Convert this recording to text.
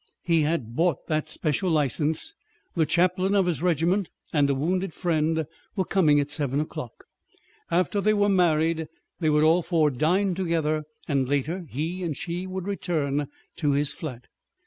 He had bought the special licence; the chaplain of his regiment and a wounded friend were coming at seven o'clock. After they were married, they would all four dine together, and, later, he and she would return to his flat.